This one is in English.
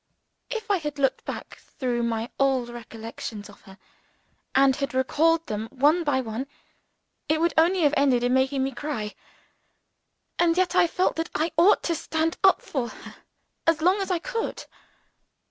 If I had looked back through all my old recollections of her, and had recalled them one by one, it would only have ended in making me cry. And yet, I felt that I ought to stand up for her as long as I could.